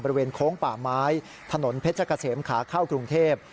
บริเวณโค้งป่าไม้ถนนเพชรกะเสมขาข้าวกรุงเทพฯ